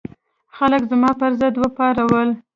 خلک زما پر ضد وپارول.